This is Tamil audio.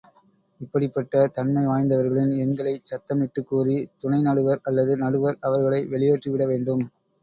இப்படிப்பட்ட தன்மை வாய்ந்தவர்களின் எண்களைச் சத்தமிட்டு கூறி, துணை நடுவர் அல்லது நடுவர், அவர்களை வெளியேற்றிவிட வேண்டும்.